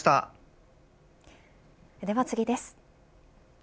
では次です。